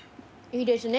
いいですね。